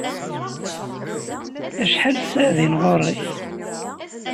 Acḥal ssaɛa din ɣur-k?